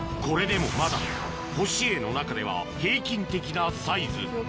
これでもまだホシエイの中では平均的なサイズ